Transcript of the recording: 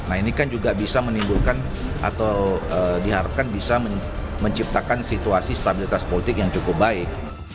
nah ini kan juga bisa menimbulkan atau diharapkan bisa menciptakan situasi stabilitas politik yang cukup baik